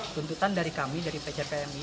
tuntutan dari kami dari pcpmi